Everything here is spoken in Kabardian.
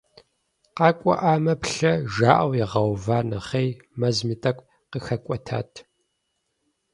КъакӀуэӀамэ, плъэ, жаӀэу ягъэува нэхъей, мэзми тӀэкӀу къыхэкӀуэтат.